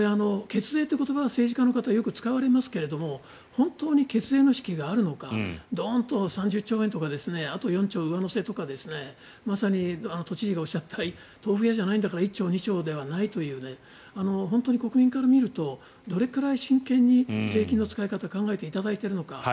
血税という言葉政治家の方はよく使われますが本当に血税の意識があるのかドンと３０兆円とかあと４兆円上乗せとかまさに都知事がおっしゃった豆腐屋じゃないんだから１チョウ、２チョウではないという本当に国民から見るとどれくらい真剣に税金の使い方を考えていただいているのか。